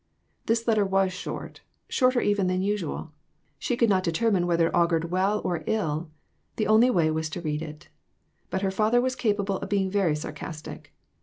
This letter was short, shorter even than usual ; she could not determine whether that augured well or ill, the only way was to read it. But her father was capable of being very sarcastic.